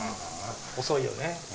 遅いよね。